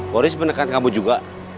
boris menekan kamu juga